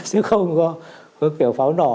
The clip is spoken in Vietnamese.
chứ không có kiểu pháo nổ